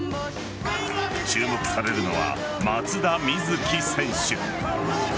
注目されるのは松田瑞生選手。